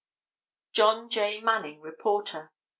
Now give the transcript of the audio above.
John J. Manning, reporter.